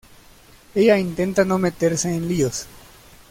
Ella intenta no meterse en líos.